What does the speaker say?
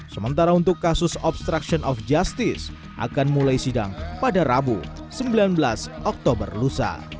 sementara untuk kasus obstruction of justice akan mulai sidang pada rabu sembilan belas oktober lusa